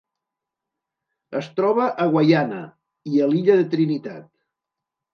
Es troba a Guaiana i a l'illa de Trinitat.